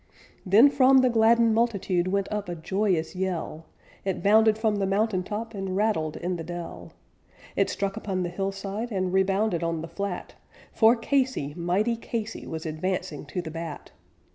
Then from the gladdened multitude went up a joyous yell, It bounded from the mountain top, and rattled in the dell, It struck upon the hillside, and rebounded on the flat; For Casey, mighty Casey, was advancing to the bat.